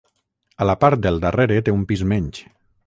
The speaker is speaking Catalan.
A la part del darrere té un pis menys.